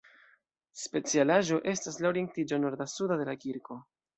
Specialaĵo estas la orientiĝo norda-suda de la kirko.